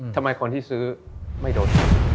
ทำไมคนที่ซื้อไม่โดน